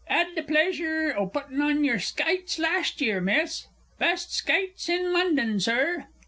'Ad the pleasure o' puttin' on your skites last year, Miss! Best skates in London, Sir!